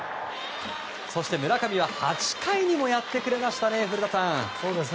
そして村上は８回にもやってくれましたね、古田さん。